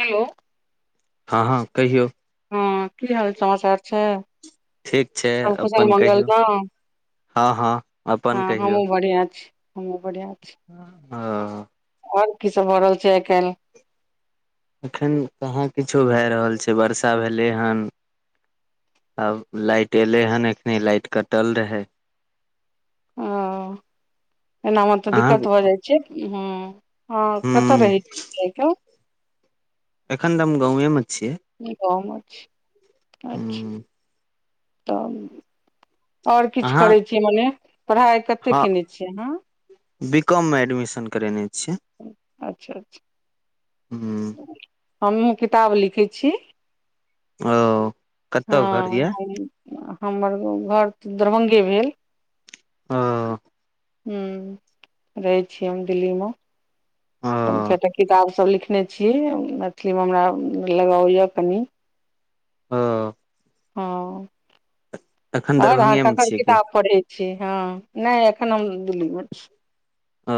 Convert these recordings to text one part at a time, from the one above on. Hello हँ हँ कहियौ हँ की हाल समाचार छै ठीक छै सब कुशल अपन मंगल कहियौ न। हँ हँ अपन हँ हमहु बढ़िआ छी हमहु बढ़िआ छी हं‌ ह ओर की सब भऽ रहल छै एखन एखन कहाँ किछो भए रहल छै बर्षा भेलै हन आब लाइट एलै हन एखने लाइट कटल रहै। ओ एनामे तऽ अहाँ दिक्कत भऽ जाए छै ह हँ कतऽ हूँ रहै छी ऐ ठम एखन तऽ हम गाॅंवे मे छी। गाॅंव में छी अछि हूँ तऽ ओर किछ अहाँ करै छी मने पढ़ाइ कते हँ केने छियै अहाँ बी कॉम में एडमिशन करेने छियै अच्छा अच्छा हूँ हमहूँ किताब लिखै छी ओ ह। कतऽ घर यऽ हम हमर घर तऽ दरभंगे भेल ह हूॅं रहे छीयै हम दिल्ली मे ओ हम किया केटा किताब सब लिखने छी मैथिली मे हमरा लगाव यै कनि हँ हँ एखन ओर अहा दरभंगे मे ककर छियै की किताब पढ़ै छी। हँ नहि एखन हम दिल्ली मे छी। ओ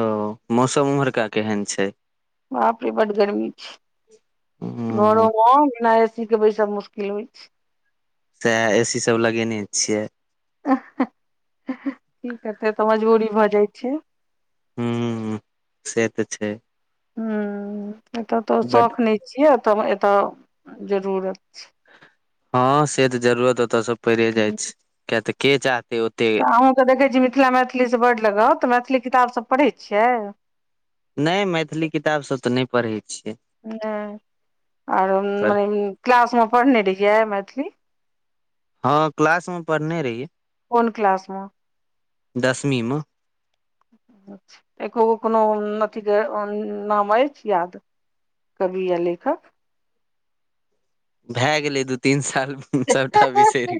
मौसम उम्हरका केहन छै? बापरे बड गरमी छै। घरो हूँ मऽ बिना ए सी के बैसब मुश्किल होइ छै। सेएह ए सी सब लगेने छियै। की करतै तऽ मजबूरी भऽ जाइ छै। ह से तऽ छै। हूं एतय तऽ बट शौख नहि छियै, एतय-एतय जरूरत छै। हँ से तऽ जरूरत ओतऽसँ पड़े जाइ छै किया तऽ के चाहतै ओते अहूँकेऽ देखैत छी मिथिला- मैथिली से बड्ड लगाउ तऽ मैथिली किताब सब पढ़ैत छियै। नै मैथिली किताब सभ तऽ नहि पढ़ैत छियै। नै आर पर मने क्लास में पढ़ने रहियै मैथिली? हँ क्लास में पढ़ने रहियै। कोन क्लास में। दसमीं में। अच्छा! एको गो कोनो अथीके नाम अछि याद। कवि या लेखक। भए गेलै दू- तीन साल। सबटा बीसेेर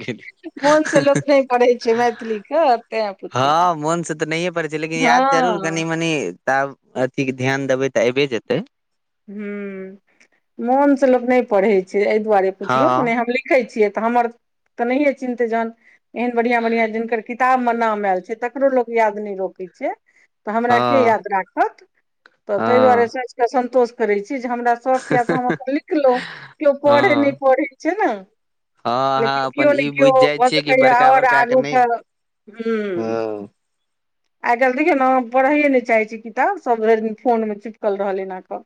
मोन से लोक गेलीयऽ। नहि पढ़ै छै मैथिली के तें हँ पुछलहुँ मोन से तऽ नहिए पड़ै छियै, लेकिन याद जरूर हँ कनि- मनी तब अथि के ध्यान देबै तऽ अयबे जेतै। ह मोन से लोक नहि पढ़ै छै, एहि दुआरे हँ पुछलहु मने हम देखै छियै तऽ हमर तऽ नहिे चिन्हते जहन एहन बढ़िआँ -बढ़िआँ जिनकर किताब में नाम आयल छै, तकरो लोक याद नहि रोखै छै। तऽ हमरा के हँ याद राखत तऽ। ताहि दुआरे हँ सोचके संतोष करै छी जे हमरा सख या तऽ हम अपन लिखलहु केओ पढ़ै नहि हँ पढ़ै छै ने। हँ अहाँ लेकिन अपन केओ ने ई केओ बुझि जाइ भऽ छियै कि सकैएा बड़का आओर बड़का के नहि आगूके ह हँ आइ काल्हि देखियौ ने पढ़ैए नहि चाहैत छै किताब, सभ भैर दिन फोन में चिपकल रहल एना कऽ।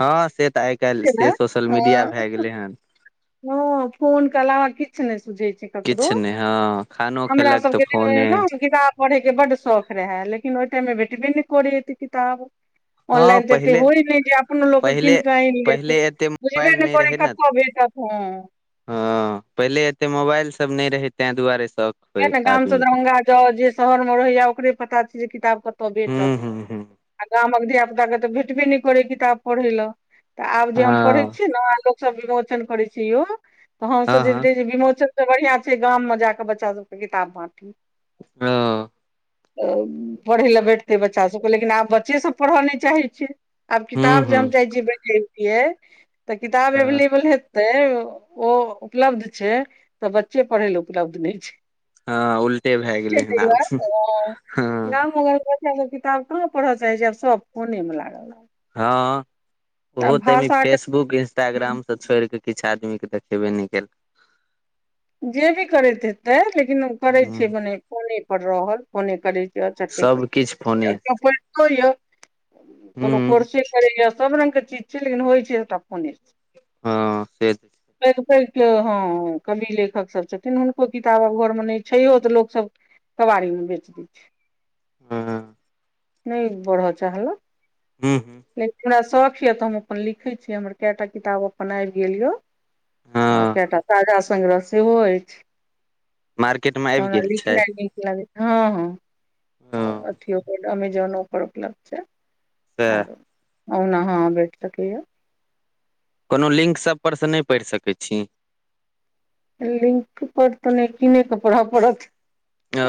हँ से तऽ आइ काल्हि से केना सोशल मीडिया भए गेलै हन। हँ फोन के अलावा किछु नहि सुझै छै। ककरो। किछु नहि हँ खानो हमरा खेलक सब तऽ के बेर में फोने न किताब पढ़े के बड शौख रहे लेकिन ओहि टाइम मे भेटबे नहि करे एते किताब। हँ ऑनलाइन तऽ एते पहिले होइ नहि जे अपनो लोक पहिले किनक आईन लेत पहिले एते बुझबे मोबाइल ने करै कतऽ भेटतै। अ [unintelligible] ह पहिले एते मोबाइल सब नहि रहे तें दुआरे सब किए ने गामसँ दरभंगा जाउ, जे शहर में रहैय ओकरे पता छै जे किताब कतय भेटत। हू -हूं। आ गामक धियिया- पुता के तऽ भेटबे नहि करै किताब पढ़य लऽ। तऽ आब जे हम पढ़े हँ छिये ने लोक सब विमोचन करे छिये यौ, तऽ हमसभ हँ जे हँ रह विमोचन बढ़िआं छै गाम में जााकऽ बच्चा सबके किताब बाँटी। हं। पढ़य लए भेठतै बच्चा सभके, लेकिन आब बच्चे सब पढ़य नहि चाहै छै। आब हूँ किताब जे हूँ हम जाइ छिय बनबतियै तऽ किताब हँ एवेलेबल हे ते ओ उपलब्ध छै, तऽ बच्चे पढ़य ले उपलब्ध नहि छै। ह उलटे ओ भए नाम गेलै हन आब हँ [unintelligible] एको गो किताब कहाँ पढ़ऽ चाहै छै, आब सब फोने मे लागल रहत। हँ ओहो तै में फेसबुक इंस्टाग्राम। तऽ छोड़ के किछु आदमी के देखेबे नहि करै। जे भी करैत हेतै लेकिन करैत हूँ छै, मने फोने पर रहल। फोने कर छ छठ सबकिछु फोने य [unintelligible] कोनो हूँ कोर्से करैए सभ रङंगगके चीज छै, लेकिन होइ छै, सभटा फोने सँ। हँ से त पैघ - पैघ के हँ कवि लेखक सब छथिन हुनको किताब आब घर मे नय छै, छय तऽ लोकसभ कबारी मे बेच दै छै। ह नय बढ़ चाहल। हू। लेकिन हमरा शौख यऽ, तऽ हम अपन लिखै छी, हमर कएटा किताब अपन आबि गेल यऽ। आ कए हँ टा ताजा सग्रह सेहो अईछ। मार्केट मे तऽ आबि हमरा गेल छै लिखनाय नीक लागैया। हँ - हँ हँ अथिओ अमेजोनपर उपलब्ध छै। सैह आरो ओना हों बेठ सकैया। कोनो लिंक सभपर सँ नहि पढ़ि सकैत छी। लिंक पर तऽ नैय कीनेके पढ़य पड़त। ओ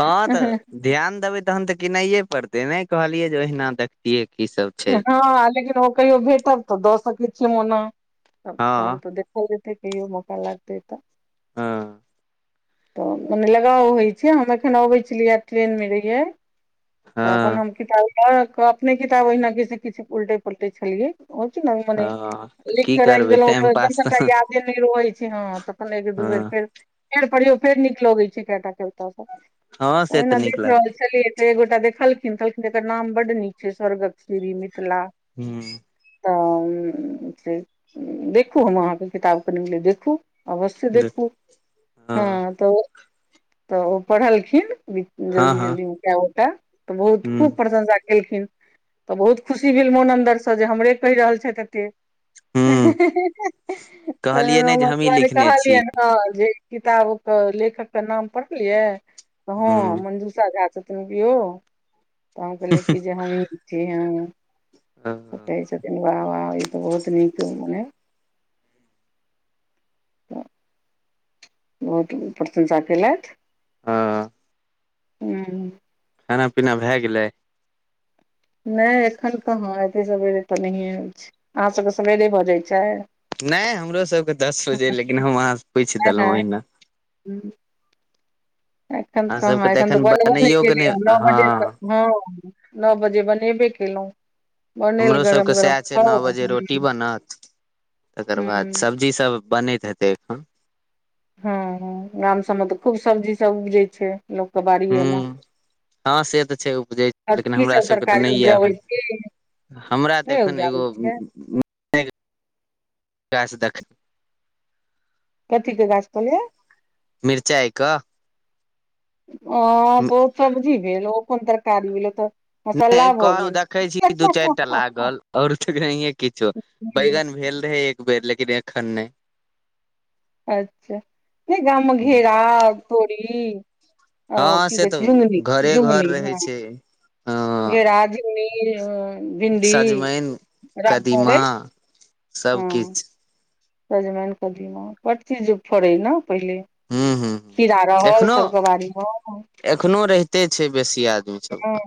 हँ तऽ। ध्यान देबै तहन तऽकिनाइे पड़तै, नहि कहलियै जे ओहिना देखतियै की सब। छै हँ लेकिन ओ कहियो भेटब तऽ, दऽ सकैत छीय ओना हँ तहन तऽ देख। भजेते तइयो मौका लागतै तऽ। हँ ‌। तऽ मने लगाव होइत छै, हम एखन अबैत छलियै, आ ट्रेन में रहियै। तऽ अपन हँ हम किताब लऽ क, अपने किताब ओहिना कि, किछु उलटे पुलटे छलियै। हो कि नहि मने [inaudible] हँ तऽ लिखक की राईख करबै देलहुँं टाइम अपन जहन पास सबटा तऽ यादे नहि रहै छै, हँ तखन एक दू बेर हँ फेर फेर पढ़ियौ फेर नीक लगैत छै, केंटा के ओत हँ सँ से तऽ एना नीक देख लागै रहल छी। पछलिये त ऐ गोटा देखलखिन कहलखिन एकर नाम बड्ड नीक छै, स्वर्गक श्री मिथिला। हूं। तऽ से देखू हम अहाँके किताब कनि देखू। अवश्य देख देखू हँ तऽ तऽ ओ पढ़लखिन हँ जल्दी - हँ जल्दी उ कए उटा। तऽ बहुत हूँ खूब प्रशंसा केलखिन तऽ बहुत खुशी भेल मोन अन्दरसँ जे हमरे कहि रहल छएथ एते। हूँ तऽ कहलियै नहि जे हमही मतलब लिखने कहलियै छी न हँ जे किताब कऽ लेखक कऽ नाम पढ़लियै तऽ, हँ हूँ मंजुषा झा तभिओ तऽ हम कहले कि जे हम जी हं हँ कहै छथिन वाह - वाह ई तऽ बहुत नीक मने बहुत प्रशंसा कैलत। हँ। हूं। खाना पीना भए गेलै? नै एखन कहाँ एतै सवेरे तऽ नहिए होइ छै, अहाँसभके सवेरे भऽ जाइत छै? नय हमरो सबके दस बजे लेकिन हम अहाँं से पूछि देलहुॅं ओहिना। हूँ। एखन अहाँ सबके कहां एखन तऽ बनबो नई बनैयो के नहि केलेए नओ बजे तक हँ नओ बजे बनेबै केलहुँ। बनल हमरो गरम सबके गरम सएह छै नओ खाउ बजे ह रोटी ह बनत तकर बाद हँ सब- - कि सब बनैत हेतै एखन? हँ गाम सभमे तऽ खूब सब्जीसभ उपजै छै लोकके बाड़िएमे। हूँ हँ से तऽ छै उपजै लेकिन हमरा सब सभकेँ तऽ ने तरकारी ईया। उपजाबै छी हमरा तऽ नहि एखन उपजाबै एगो छियै [inaudible] कथी के गाछ कहलिए मिरचाई कऽ अ ओ सब्जी भेल ओ कोन तरकारी भेलो तऽ नहि मसल्ला भऽ कहू गेल देखै छि दू चारि टा लागल और तऽ नहिये किछो हम्म, बैगन भेल रहै एक बेर लेकिन एखन नहि। अच्छा नहि गाम में घेरा, तोरी ओ हँ की से कहै तऽ छै झुगनी घरे घर झुगनी रहै हँ छै हँ घेरा, झुग भिअ भिंडी, सजमनि कदीमा रामतोरै हॅं- - सबकिछ सजमेन, कदीमा, बडचीज फड़ै न पहिले। हूँ हूँ खिरा रहल एखनो सभके बारी म- - एखनो रहिते छै बेसी आदमी हँ सबमे- -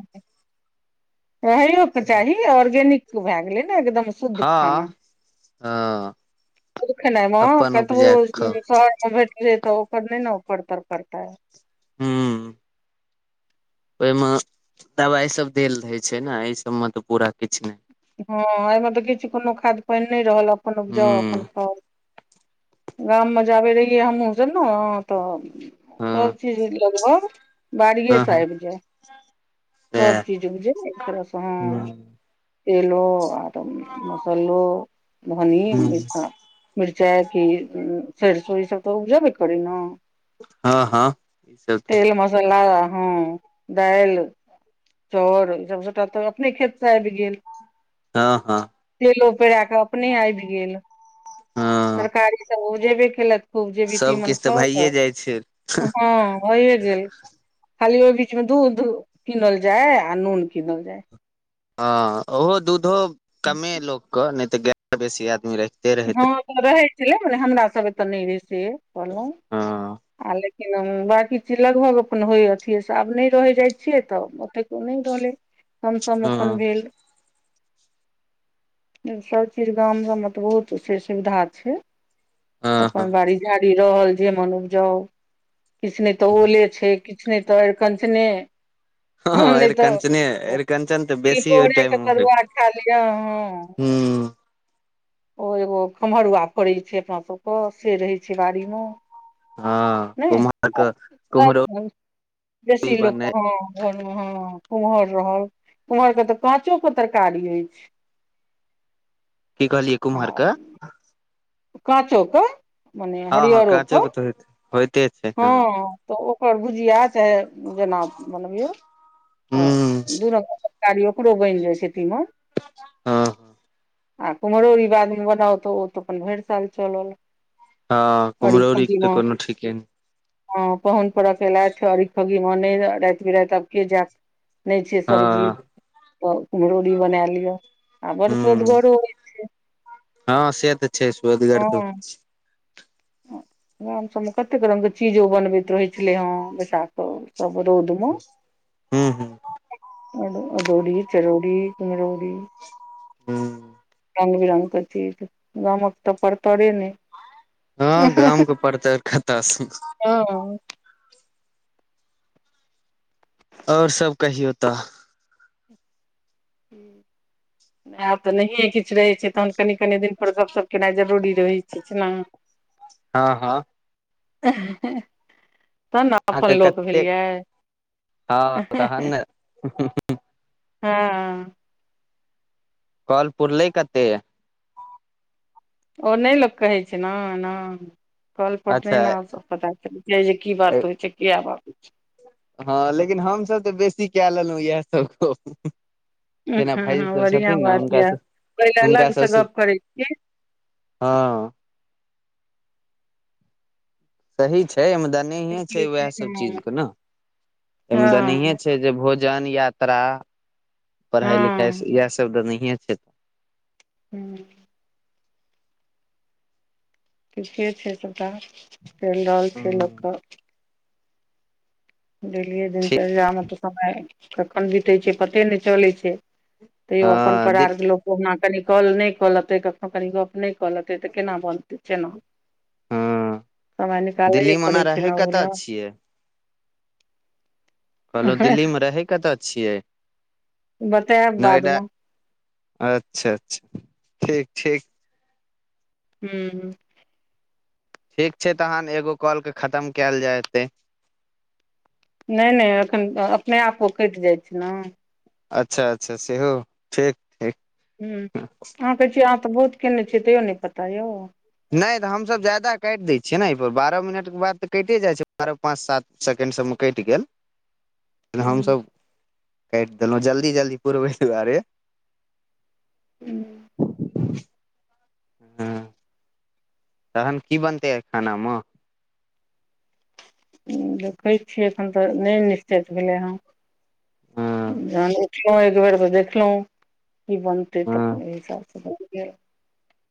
रहैयो के चाही ऑर्गेनिक भए गेलै ने एकदम- - हँ ह - ओ खेनाय महग कतबो उपजा कऽ खाउ शहर में भेटलै ओ - - पर नै न ओ परतर परतै- - हु - - ओईमे दवाइ सब देल रहय छैई न एहि सब मे तऽ पूरा किछ नेई - - हँ एहिमे तऽ किछ कोनो खाद पेईन नेई रहल अपन उपजाउ अपन हूँ खाउ- - गाम मे जाबे रहियै हमहूँ सब न तऽ सभ हँ चीज लगभग - - बाड़िेये हँ से हँ आबि जाय सब सैह चीज उपजै एक तरहसँ हूँ हँ। ऐलो आर मे मसलो धनी हूँ मिना- - मिरचाइ के सरसो ई सब तऽ उपजबे करै न- - हँ हँ सब ठिइ पलाउ हँ दाईल- - चाउर ई सब सबटा तऽ अपने खेतसँ आबि गेल। हँ हँ- - तेलो पेरा के अपने आबि गेल हँ तरकारी सब उपजेबे केलक। खूब जे मिनती मन सबकिछु तऽ खाउ भइए जाइ छै हॅं- - भए गेल खाली ओहि बीच मे दूध किनल जाय आ नून किनल जाय। हँ ओहो दूधो कमे लोकके नहि तऽ गाय बेसी आदमी रखै। ृ हँ तऽ रहै छलै मने हमरा सभ ए तऽ नहि रहै से कहलहुँ। हँ आ लेकिन बाँकी चीज लगभग अपन होइ अथियेसँ आब नेई रहै जाइत छियै तऽ- - ह्त कोग नहि रहलै कमसम अपन हँ भेल, ई सब चीज गाम सब मे त बहुत- - त से सुविधा छै, हँ अपन हँ बाड़ी- - झाड़ी रहल जे मन उपजाउ किछ में तऽ ओले छैई। कितने त अरकंचने- - ह हँ नहि तऽ अरिकञ्चने अरिकञ्चन तऽ बेसी ओहि टाइम तिलकोरेके मे होइ तरुआ खा लिअ हँ। हूं ओ खम्हरुआ फड़ैत छै अपना सभके से रहैत छै बाड़ी मे - - हँ नहि कुम्हर के कुम्हरौरी बेसी लोक बनै हँ- - हँ कुमहर रहल कुमहर के तऽ काँचो के तरकारी होइछै। की कहलियै आ कुमहर क। काँचो क मने हँ हँ हरियरोे काँचो क। के तऽ होइत होइते छै। हँ तऽ ओकर भुजिया चाहे जेना बनबियौ। तऽ हूं दू रंग के तरकारी ओकरो बनि जाइ छै तीमन। हँ। आ कुम्हरौरी बादमे बनाउ तऽ ओ तऽ अपन भरि साल चलल। हँ कुम्हरोरी के तऽ कोनो ठीके नै। ह पाहुन परख एलथि अरी खगी मे अनैले राति बिराति आब के जायत। नहि छै सब्जी हँ तऽ कुम्हरौरी बना लिअ। आ बड़ हु सोदगरो होइ छै हँ से तऽ छै स्वादगर तऽ हँ होइ छै। गाम सभमे कतेक रंगके चीजो बनबैत रहैत छलै हे बैसाख [unintelligible] रौद मे। हूं हूं अ अदौरी, चरौरी, कुम्हरौरी। हूं। रंग बिरंग के चीज गामक तऽ परतरे नै। हँ गामके पड़तर कतऽ स। हँ। और सब कहियो ता। हु। आर तऽ नहियए किछ रहैत छै तहन कनि कनि दिन पर गपशप केनाइ जरूरी रहैत छै ने। [inaudible] हँ हँ। हां हं तहन ना अहाँके अपन लोक कतेक भेलिये। हँ तहन हँ। कॉल पूरलै कते? ओ नहि लोक कहै छै ना ना कॉल पर नहि अच्छा ना पता चल जे की बात होइ छै किया बात होइ छै? हँ लेकिन हमसभ तऽ बेसी कए लेलहु इएह सभ गप हँ जेना हँ भायजी सभ बढ़िआँ छथिन ने बात हुनका यऽ स पहिले हुनका अलग से सभसँ गप करै हँ। सही छै मुदा नहीए छै छियै वएह सब चीज के ने मुदा नहीए हँ छै। छै जे भोजन यात्रा पढ़ाई हँ लिखाई याएह सब तऽ नहिये छै। हू। ठीके छै सभटा चलि रहल छै लोकक डेलियए ठीक दिनचर्यामे तऽ समय कखन बितैत छै पते नहि चलै छै। तैयो अपन हँ दिल परार के लोक कहुना कनि कॉल नहि कऽ लेतै कखनो कनि गप नहि कऽ लेतै तऽ केना बनतै केना हँ समय निकालैए दिल्लीमे ओना पड़ै छै रहै ना ओहु कतऽ ला। छियै कहलहुँ लए दिल्लीमे रहै कतऽ छियै? बताब नोएडा बादमे। अच्छा अच्छा ठीक ठीक। हूं। ठीक छै तहन एगो कॉल के खतम कयल जाय एतै। नहि नहि एखन त अपने आप ओ कटि जाइ छै न। अच्छा अच्छा सेहो ठीक ठीक। हूं अहाँ कहै छियै अहाँ तऽ बहुत केने छियै तैयो नहि पता य। नहि तऽ हमसभ जादा काटि दै छियै ने अइ पर बारह मिनटके बाद तऽ कटे जाइ छै बारह पाँच सात सेकंड सबमे कैटि गेल। [inaudible] एना हमसभ काटि देलहुँ जल्दी जल्दी पुरबै दुआरे हूं। हं तहन की बनतै आइ खानामे? देखै छीयै एखन तऽ नहि निश्चित भेलै हेँ। हँ जहन उठलहुं एक बेर तऽ देखलहुं की बनतै तऽ हँ अपन ओइ हिसाबसँ बनि गेल।